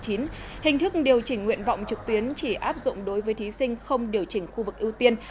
hình thức điều chỉnh nguyện vọng trực tuyến chỉ áp dụng đối với thí sinh không điều chỉnh khu vực ưu tiên